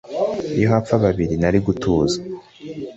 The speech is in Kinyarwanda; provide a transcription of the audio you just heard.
iyo hapfa babiri nari gutuza